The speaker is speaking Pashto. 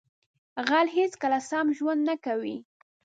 غل هیڅکله سم ژوند نه کوي